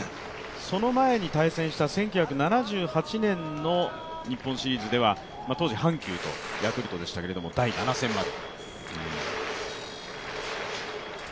その前に対戦した１９７８年の日本シリーズでは当時、阪急とヤクルトでしたけど、第７戦まで。